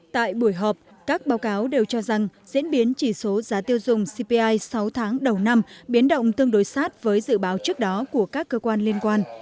tại buổi họp các báo cáo đều cho rằng diễn biến chỉ số giá tiêu dùng cpi sáu tháng đầu năm biến động tương đối sát với dự báo trước đó của các cơ quan liên quan